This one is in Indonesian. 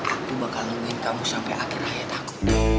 aku bakal luluhin kamu sampai akhir hayat aku